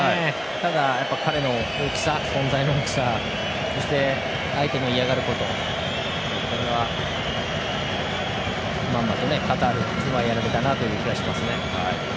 ただ、彼の存在の大きさそして、相手の嫌がることをまんまとカタールやられたなという気がしますね。